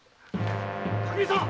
垣見さん！